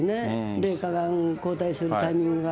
麗華が交代するタイミングが。